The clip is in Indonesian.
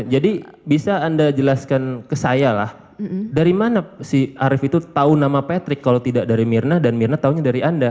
jadi bisa anda jelaskan ke saya lah dari mana si arief itu tahu nama patrick kalau tidak dari mirna dan mirna tahunya dari anda